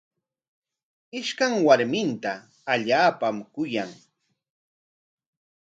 Ishtiqa warminta allaapam kuyan.